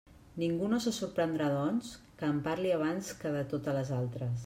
Ningú no se sorprendrà, doncs, que en parli abans que de totes les altres.